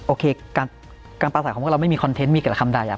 โอเคการปราศัยของพวกเราไม่มีคอนเทนต์มีแต่คำใด